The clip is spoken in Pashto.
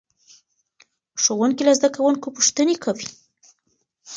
ښوونکی له زده کوونکو پوښتنې کوي.